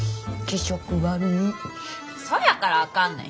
そやからあかんねん。